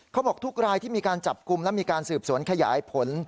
เขาบอกทุกรายที่มีการจับกลุ่มและมีการสืบสวนขยายผล